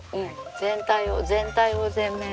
全体を全体を全面。